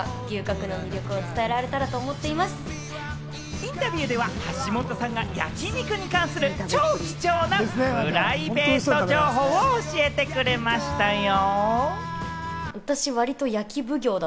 インタビューでは橋本さんが焼き肉に関する超貴重なプライベート情報を教えてくれましたよ。